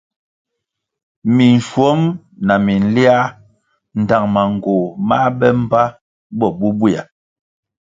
Minschuom na minliár ndtang manğoh má be mbpa bo bubuea.